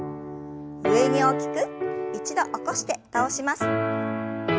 上に大きく一度起こして倒します。